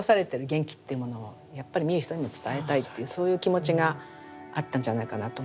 元気っていうものをやっぱり見る人にも伝えたいっていうそういう気持ちがあったんじゃないかなと思いますね。